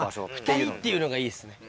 ２人っていうのがいいですね。